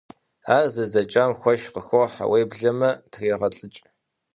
Ар зэдзэкъам хуэш къыхохьэ, уеблэмэ трегъэлIыкI.